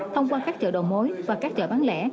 thông qua các chợ đầu mối và các chợ bán lẻ